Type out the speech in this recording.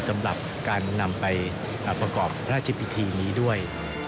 สำหรับการนำไปประกอบพระราชพิธีนี้ด้วย